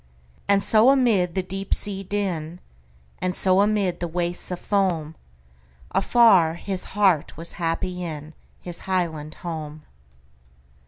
And so amid the deep sea din, And so amid the wastes of foam, Afar his heart was happy inHis highland home!